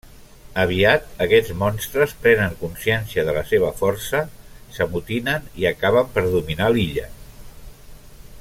Aviat, aquests monstres prenen consciència de la seva força, s'amotinen i acaben per dominar l'illa.